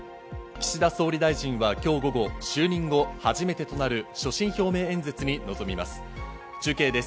岸田総理大臣は今日午後、就任後初めてとなる所信表明演説に臨みます。